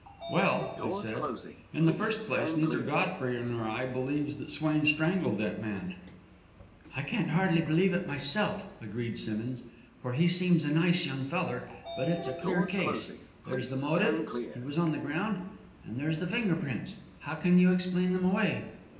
"Well," I said, "in the first place, neither Godfrey nor I believes that Swain strangled that man." "I can't hardly believe it myself," agreed Simmonds, "for he seems a nice young feller; but it's a clear case: there's the motive, he was on the ground, and there's the finger prints. How can you explain them away?"